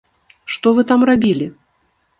Што вы там рабілі?